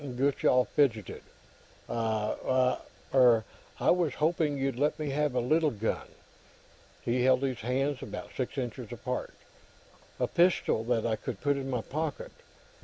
Gutchall fidgeted. "Why, er, I was hoping you'd let me have a little gun." He held his hands about six inches apart. "A pistol, that I could put in my pocket.